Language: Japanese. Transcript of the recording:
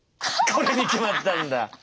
これに決まったんだ。